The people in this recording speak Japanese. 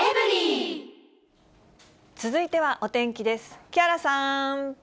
続いてはお天気です。